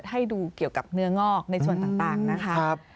ให้ดูเกี่ยวกับเนื้องอกในส่วนต่างนะคะ